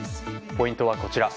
ポイントはこちら。